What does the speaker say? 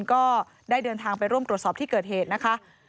ก็ได้เดินทางไปร่วมตรวจสอบที่เกิดเหตุนะคะ